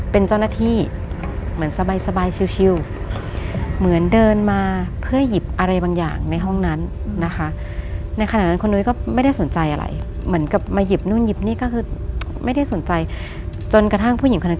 เป็นเจ้าหน้าที่เหมือนสบายชิว